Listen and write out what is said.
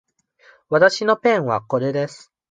わたしのペンはこれです。